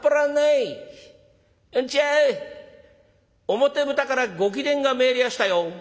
表ぶたからご貴殿が参りやしたよ。